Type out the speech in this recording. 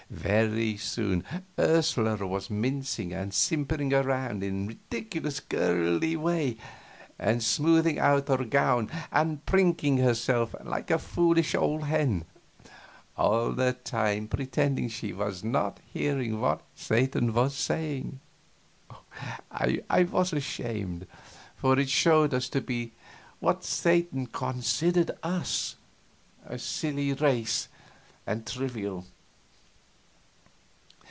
Very soon Ursula was mincing and simpering around in a ridiculous, girly way, and smoothing out her gown and prinking at herself like a foolish old hen, and all the time pretending she was not hearing what Satan was saying. I was ashamed, for it showed us to be what Satan considered us, a silly race and trivial.